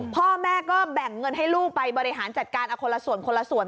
พ่อแม่ก็แบ่งเงินให้ลูกไปบริหารจัดการเอาคนละส่วนคนละส่วน